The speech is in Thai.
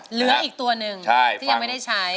เหลืออีกตัวหนึ่งที่ยังไม่ได้ใช้